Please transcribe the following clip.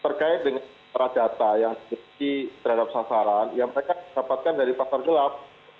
terkait dengan data yang dimiliki terhadap sasaran yang mereka dapatkan dari pasar gelap